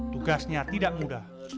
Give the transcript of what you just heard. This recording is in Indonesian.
tugasnya tidak mudah